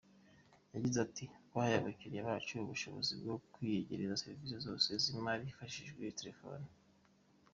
Yagize ati "Twahaye abakiriya bacu ubushobozi bwo kwiyegereza serivisi zose z’imari hifashishijwe telefoni.